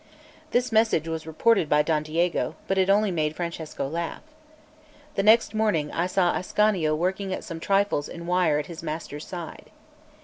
This message was reported by Don Diego, but it only made Francesco laugh. The next morning I saw Ascanio working at some trifles in wire at his master's side.